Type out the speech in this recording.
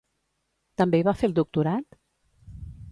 També hi va fer el doctorat?